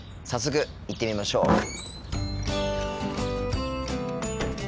早速行ってみましょう。